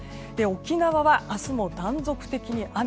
沖縄は明日も断続的に雨。